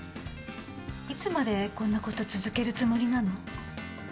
いつまでこんなこと続けるつもりなの？